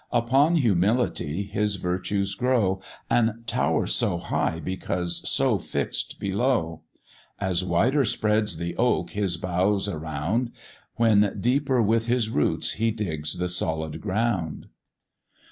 Upon humility his virtues grow, And tower so high because so fix'd below; As wider spreads the oak his boughs around, When deeper with his roots he digs the solid ground.